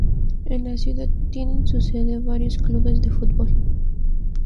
En la ciudad tienen su sede varios clubes de fútbol.